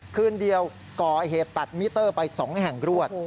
คืนเดียวก่อเหตุตัดมิเตอร์ไป๒แห่งรวด